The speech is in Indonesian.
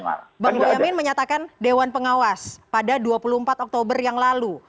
bang boyamin menyatakan dewan pengawas pada dua puluh empat oktober yang lalu